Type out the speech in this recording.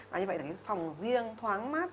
và như vậy là phòng riêng thoáng mát